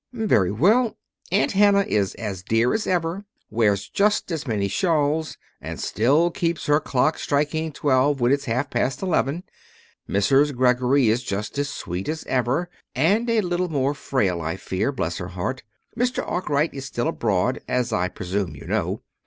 "Very well. Aunt Hannah is as dear as ever, wears just as many shawls, and still keeps her clock striking twelve when it's half past eleven. Mrs. Greggory is just as sweet as ever and a little more frail, I fear, bless her heart! Mr. Arkwright is still abroad, as I presume you know.